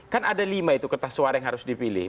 kan ada lima itu kertas suara yang harus dipilih